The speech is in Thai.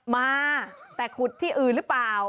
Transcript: มาแต่ขุดที่อื่นหรือเปล่า